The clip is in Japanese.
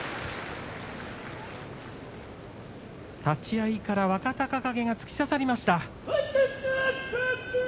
立ち合いから若隆景が突き刺さりました。